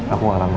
aku gak lama ya